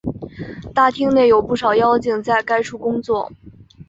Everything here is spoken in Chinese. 大厅内有不少妖精在该处工作。